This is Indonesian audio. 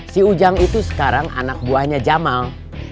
si ujang itu sekarang anak buahnya jamal